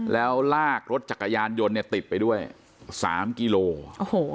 แล้วลากรถจักรยานยนต์เนี่ยติดไปด้วยสามกิโลโอ้โห